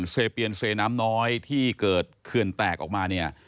เปียนเซน้ำน้อยที่เกิดเขื่อนแตกออกมาเนี่ย